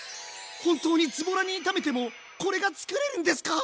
本当にずぼらに炒めてもこれが作れるんですか？